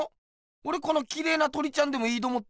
おれこのきれいな鳥ちゃんでもいいと思ってるよ。